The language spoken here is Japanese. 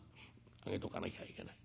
上げとかなきゃいけない。